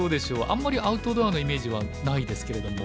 あんまりアウトドアなイメージはないですけれども。